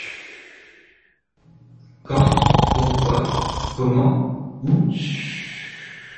Quand ? pourquoi ? comment ? où ?